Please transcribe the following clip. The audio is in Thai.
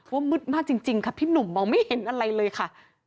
มืดมากจริงค่ะพี่หนุ่มมองไม่เห็นอะไรเลยค่ะ